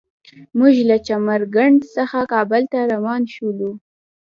موږ له چمر کنډ څخه کابل ته روان شولو.